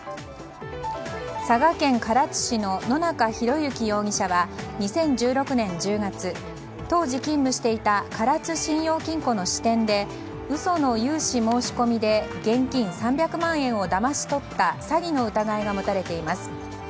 佐賀県唐津市のノナカ・ヒロユキ容疑者は２０１６年１０月当時勤務していた唐津信用金庫の支店で嘘の融資申し込みで現金３００万円をだまし取った詐欺の疑いが持たれています。